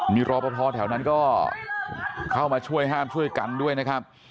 มีรอปภแถวนั้นก็เข้ามาช่วยห้ามช่วยกันด้วยนะครับ